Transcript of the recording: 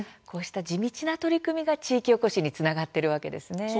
地道な取り組みが地域おこしにつながっているんですね。